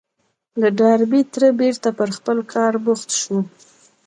د ډاربي تره بېرته پر خپل کار بوخت شو.